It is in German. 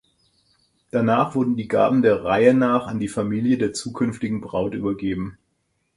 Danach werden die Gaben der Reihe nach an die Familie der zukünftigen Braut übergeben.